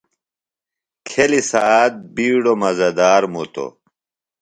کھیلیُ سھات بِیڈوۡ مزہ دار مُتوۡ۔